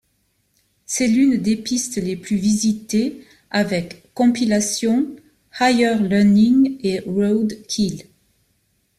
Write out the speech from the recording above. C'est l'une des pistes les plus visitées avec Compilation, Higher Learning et Roadkill.